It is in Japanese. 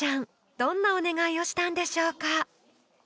どんなお願いをしたんでしょうか？